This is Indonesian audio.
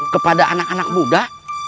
kepada anak anak muda